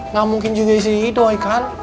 nggak mungkin juga si ido kan